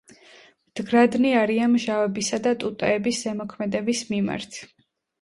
მდგრადნი არიან მჟავებისა და ტუტეების ზემოქმედების მიმართ.